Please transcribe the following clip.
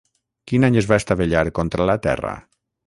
Quin any es va estavellar contra la terra?